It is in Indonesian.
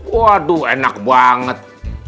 waduh enak banget